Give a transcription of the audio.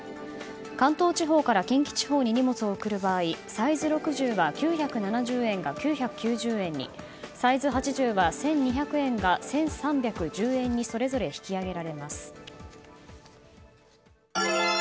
関東地方から近畿地方に荷物を送る場合、サイズ６０は９７０円が９９０円にサイズ８０は１２００円が１３１０円にそれぞれ引き上げられます。